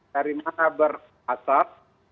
dari mana berasal